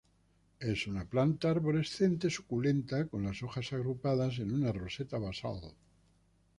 Es una planta arborescente suculenta con las hojas agrupadas en una roseta basal.